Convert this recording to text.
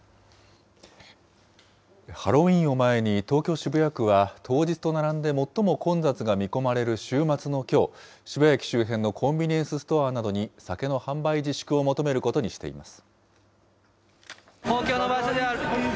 ハロウィーンを前に、東京・渋谷区は当日と並んで最も混雑が見込まれる週末のきょう、渋谷駅周辺のコンビニエンスストアなどに、酒の販売自粛を求めることにしています。